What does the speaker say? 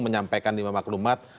menyampaikan lima maklumat